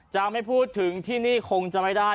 จะไม่พูดถึงที่นี่คงจะไม่ได้